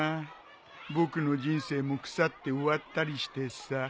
僕の人生も腐って終わったりしてさ。